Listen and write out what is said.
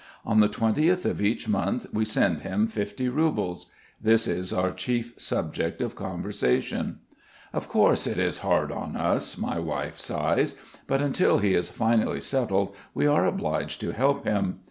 On the twentieth of each month we send him fifty roubles. This is our chief subject of conversation. "Of course it is hard on us," my wife sighs. "But until he is finally settled we are obliged to help him.